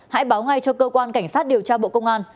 hãy báo ngay cho cơ quan cảnh sát điều tra bộ công an